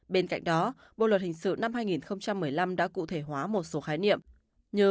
bên cạnh đó bộ luật hình sự năm hai nghìn một mươi năm đã cụ thể hóa một số khái niệm như